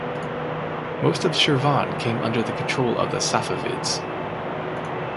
Most of Shirvan came under the control of the Safavids.